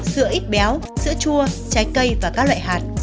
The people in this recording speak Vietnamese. sữa ít béo sữa chua trái cây và các loại hạt